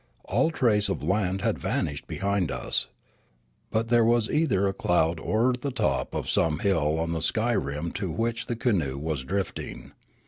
All trace of land had vanished behind us. But there was either a cloud or the top of some hill on the sky rim to which the canoe was drift ing.